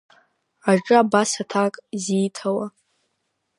Аҿы абас аҭак зииҭауа…